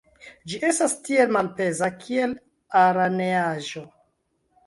Ĝi estas tiel malpeza, kiel araneaĵo!